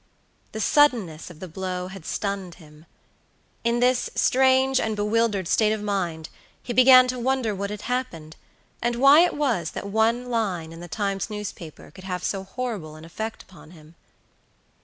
The suddenness of the blow had stunned him. In this strange and bewildered state of mind he began to wonder what had happened, and why it was that one line in the Times newspaper could have so horrible an effect upon him.